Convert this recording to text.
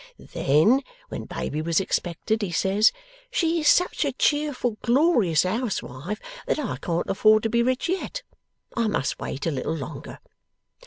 Then, when baby was expected, he says, "She is such a cheerful, glorious housewife that I can't afford to be rich yet. I must wait a little longer."